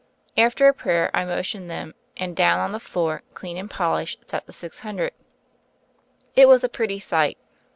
After a prayer, I motioned them, and down on the floor, clean and polished, sat the six hundred. It was a pretty sight.